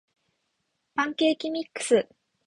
パンケーキミックス